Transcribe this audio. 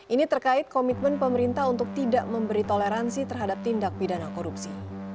ini terkait komitmen pemerintah untuk tidak memberi toleransi terhadap tindak pidana korupsi